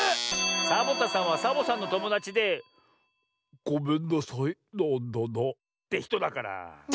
サボタさんはサボさんのともだちで「ごめんなさいなんだな」ってひとだから。